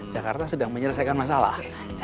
jakarta sedang menyelesaikan masalah